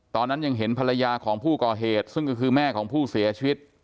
ตอนนั้นยังเห็นภรรยาของผู้ก่อเหตุซึ่งก็คือแม่ของผู้เสียชีวิต